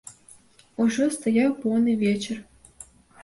Ужо стаяў поўны вечар.